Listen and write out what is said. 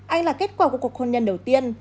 anh là kết quả của cuộc hôn nhân đầu tiên